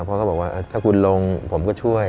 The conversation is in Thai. เพราะก็บอกว่าถ้าคุณลงผมก็ช่วย